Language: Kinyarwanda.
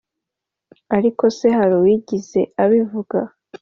ariko se hari uwigeze abivuga?